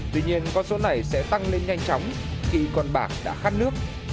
tuy nhiên con số này sẽ tăng lên nhanh chóng khi con bạc đã khát nước